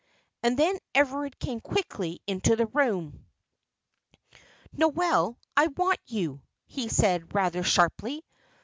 And then Everard came quickly into the room. "Noel, I want you!" he said, rather sharply.